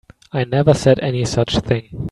I never said any such thing.